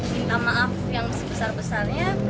minta maaf yang sebesar besarnya